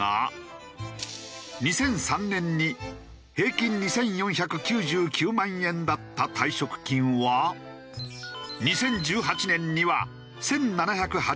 ２００３年に平均２４９９万円だった退職金は２０１８年には１７８８万円に。